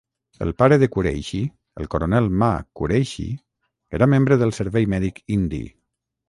El pare de Kureishi, el coronel MA Kureishi, era membre del Servei Mèdic Indi.